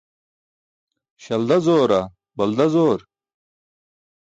Śalda zoora, balda zoor?